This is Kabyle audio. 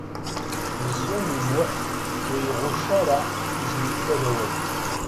Meẓyan U Muḥ ur iɣucc ara Tiziri Tagawawt.